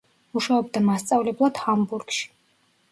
მუშაობდა მასწავლებლად ჰამბურგში.